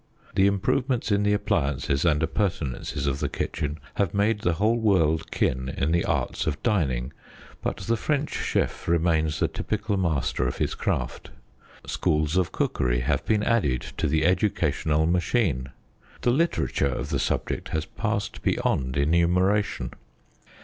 The improvements in the appliances and appurtenances of the kitchen have made the whole world kin in the arts of dining, but the French chef remains the typical master of his craft. Schools of cookery have been added to the educational machine. The literature of the subject has passed beyond enumeration.